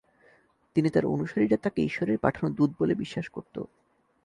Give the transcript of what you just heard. তিনি তার অনুসারীরা তাকে ঈশ্বরের পাঠানো দূত বলে বিশ্বাস করত।